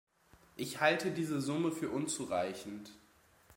Ich halte diese Summe für unzureichend.